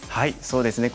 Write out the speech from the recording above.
そうですね